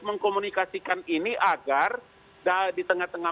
mengkomunikasikan ini agar di tengah tengah